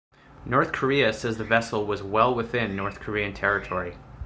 North Korea says the vessel was well within North Korean territory.